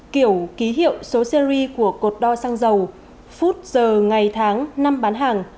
kiểu ký hiệu số series của cột đo xăng dầu phút giờ ngày tháng năm bán hàng